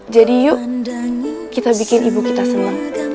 jadi yuk kita bikin ibu kita senang